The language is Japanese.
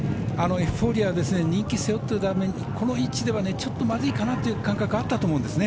エフフォーリア人気を背負っているためにこの位置ではだめかなという感覚はあったと思うんですね。